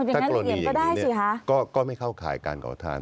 ถ้ากรณีอย่างนี้ก็ไม่เข้าข่ายการขอทาน